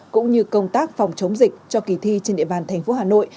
cũng như công tác phòng chống dịch cho kỳ thi trên địa bàn tp hà nội